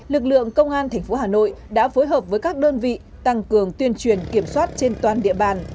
lực lượng công an tp hà nội đã phối hợp với các đơn vị tăng cường tuyên truyền kiểm soát trên toàn địa bàn